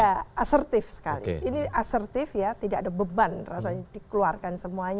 ya asertif sekali ini asertif ya tidak ada beban rasanya dikeluarkan semuanya